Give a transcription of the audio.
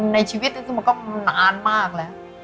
ในชีวิตมันก็นานมากแล้ว